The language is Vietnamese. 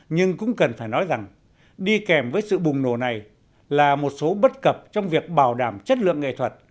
nhưng cũng cần phải nói rằng đi kèm với sự bùng nổ này là một số bất cập trong việc bảo đảm chất lượng nghệ thuật